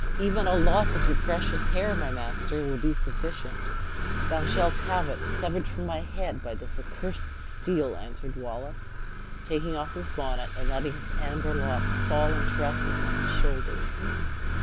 "Even a lock of your precious hair, my beloved master, will be sufficient." "Thou shalt have it, severed from my head by this accurse steel," answered Wallace, taking off his bonnet, and letting his amber locks fall in tresses on his shoulders.